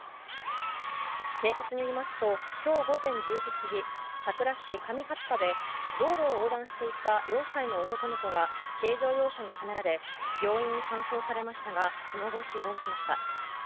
警察によりますと今日午前１０時過ぎ佐倉市上勝田で道路を横断していた４歳の男の子が軽乗用車にはねられ病院に搬送されましたがその後、死亡しました。